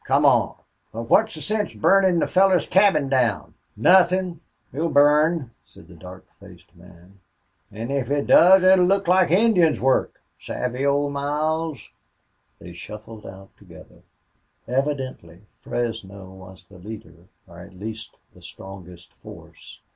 Come on." "But what's the sense burnin' the feller's cabin down?" "Nuthin' 'll burn," said the dark faced man, "an' if it does it 'll look like Indians' work. Savvy, Old Miles?" They shuffled out together. Evidently Fresno was the leader, or at least the strongest force.